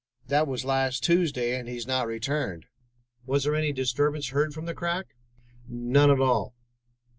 That was last Tuesday, and he has not returned." "Was there any disturbance heard from the crack?" "None at all.